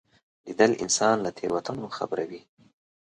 لیدل انسان له تېروتنو خبروي